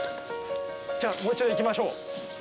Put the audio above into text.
じゃあもう一度いきましょう。